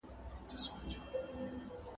د ځواک تمرین هم غوړ کموي.